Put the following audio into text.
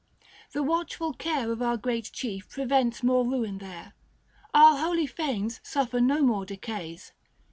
The watchful care Of our great Chief prevents more ruin there ; Our holy fanes suffer no more decays.